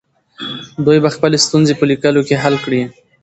دوی به خپلې ستونزې په لیکلو کې حل کړي.